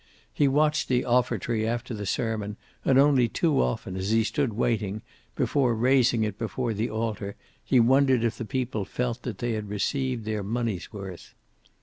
He watched the offertory after the sermon, and only too often as he stood waiting, before raising it before the altar, he wondered if the people felt that they had received their money's worth.